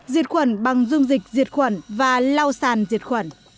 diệt khuẩn bằng dung dịch diệt khuẩn và lau sàn diệt khuẩn